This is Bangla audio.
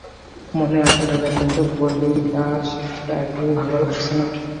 মনে আছে দাদা, কিন্তু কালিদাস এখন ভালো লাগছে না।